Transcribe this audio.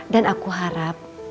dan aku harap